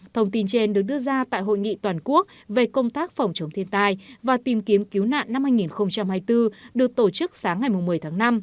thông tin trên được đưa ra tại hội nghị toàn quốc về công tác phòng chống thiên tai và tìm kiếm cứu nạn năm hai nghìn hai mươi bốn được tổ chức sáng ngày một mươi tháng năm